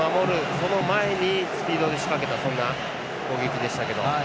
その前にスピードで仕掛けたそんな攻撃でしたけど。